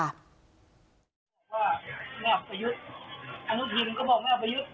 อย่าแกล้วแกล้ว